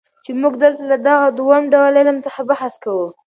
چي موږ دلته له دغه دووم ډول علم څخه بحث کوو.